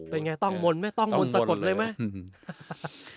เป็นไงต้องบ่นไหมต้องบ่นตรงสกดเลยไหมหือฮ่าฮ่าฮ่า